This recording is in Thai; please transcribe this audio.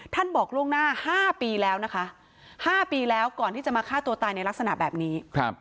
บอกล่วงหน้า๕ปีแล้วนะคะ๕ปีแล้วก่อนที่จะมาฆ่าตัวตายในลักษณะแบบนี้